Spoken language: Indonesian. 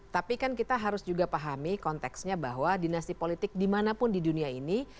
tapi kan kita harus juga pahami konteksnya bahwa dinasti politik dimanapun di dunia ini